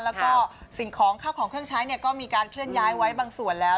แล้วก็สิ่งของข้าวของเครื่องใช้ก็มีการเคลื่อนย้ายไว้บางส่วนแล้ว